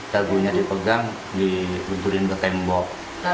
dagunya dipegang dikuburin ke tembok